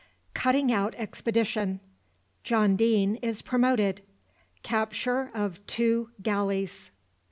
CUTTING OUT EXPEDITION JOHN DEANE IS PROMOTED CAPTURE OF TWO GALLEYS.